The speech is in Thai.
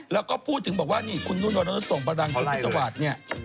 แล้วก็พูดถึงว่านี่คุณหนุนรสส่งประดังภิกษวรรษเนี่ย